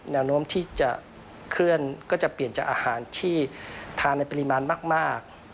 แนวโน้มที่จะเคลื่อนก็จะเปลี่ยนจากอาหารที่ทานในปริมาณมาก